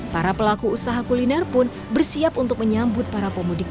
para pelaku usaha kuliner pun bersiap untuk menyambut para pemudik